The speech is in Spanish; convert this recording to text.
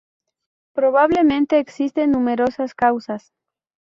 Probablemente existen numerosas causas.